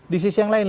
di sisi yang lain